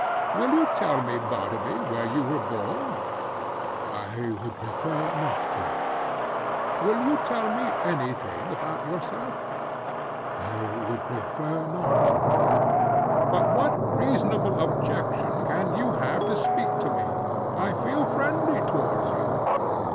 "Will you tell me, Bartleby, where you were born?" "I would prefer not to." "Will you tell me any thing about yourself?" "I would prefer not to." "But what reasonable objection can you have to speak to me? I feel friendly towards you."